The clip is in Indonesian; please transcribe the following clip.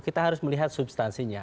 kita harus melihat substansinya